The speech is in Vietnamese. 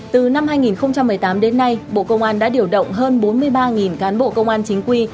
từ năm hai nghìn một mươi tám đến nay bộ công an đã điều động hơn bốn mươi ba cán bộ công an chính quy